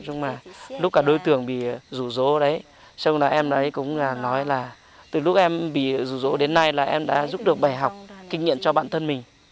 nhưng mà lúc cả đối tượng bị rủ rỗ đấy xong là em đấy cũng nói là từ lúc em bị rủ rỗ đến nay là em đã giúp được bài học kinh nghiệm cho bản thân mình